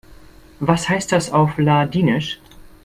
Was heißt das auf Ladinisch?